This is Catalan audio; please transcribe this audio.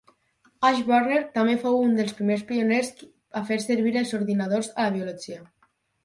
Ashburner també fou un dels primers pioners a fer servir els ordinadors a la biologia.